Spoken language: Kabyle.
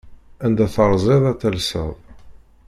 Anda terziḍ ad talseḍ.